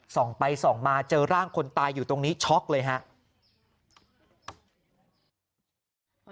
ส่องไปส่องมาเจอร่างคนตายอยู่ตรงนี้ช็อกเลยครับ